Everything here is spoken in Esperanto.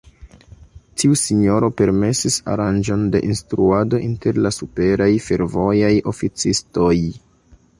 Tiu sinjoro permesis aranĝon de instruado inter la superaj fervojaj oficistoj.